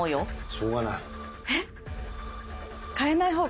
しょうがない。え？